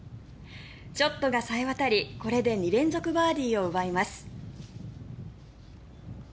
ショットがさえわたり、これで２連続バーディーを奪います。